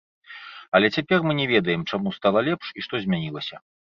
Але цяпер мы не ведаем, чаму стала лепш і што змянілася.